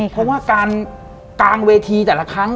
เพราะว่าการกางเวทีแต่ละครั้ง